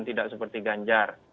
tidak seperti ganjar